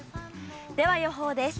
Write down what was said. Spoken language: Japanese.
では予報です。